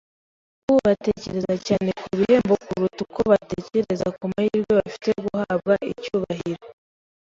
u batekereza cyane ku bihembo kuruta uko batekereza ku mahirwe bafite yo guhabwa icyubahiro